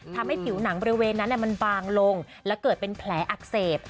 ทำให้ผิวหนังบริเวณนั้นมันบางลงและเกิดเป็นแผลอักเสบ